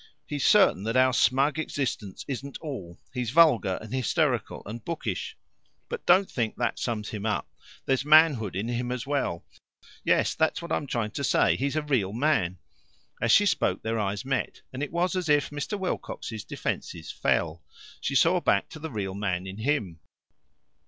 He's certain that our smug existence isn't all. He's vulgar and hysterical and bookish, but I don't think that sums him up. There's manhood in him as well. Yes, that's what I'm trying to say. He's a real man." As she spoke their eyes met, and it was as if Mr. Wilcox's defences fell. She saw back to the real man in him.